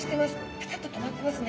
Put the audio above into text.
ピタッと止まってますね。